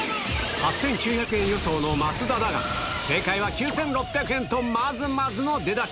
８９００円予想の増田だが、正解は９６００円とまずまずの出だし。